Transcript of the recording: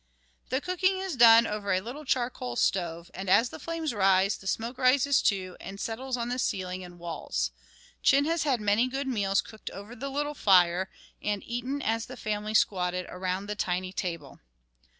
The cooking is done over a little charcoal stove and, as the flames rise, the smoke rises, too, and settles on the ceiling and walls. Chin has had many good meals cooked over the little fire, and eaten as the family squatted around the tiny table.